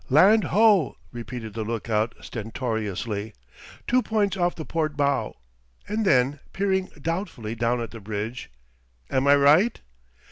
"Land ho!" repeated the lookout stentoriously. "Two points off the port bow," and then, peering doubtfully down at the bridge: "Am I right?"